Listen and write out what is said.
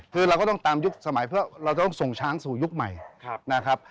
คือเราก็ต้องตามยุคสมัยเพื่อเราจะต้องส่งช้างสู่ยุคใหม่นะครับ